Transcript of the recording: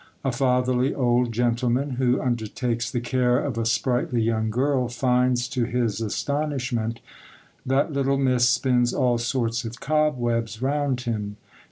A fatherly old gentleman, who undertakes the care of a sprightly young girl, finds, to his astonishment, that little Miss spins all sorts of cobwebs round him.